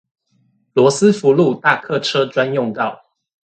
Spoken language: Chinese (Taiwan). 羅斯福路大客車專用道